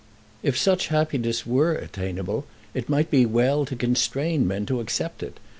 "If such happiness were attainable it might be well to constrain men to accept it.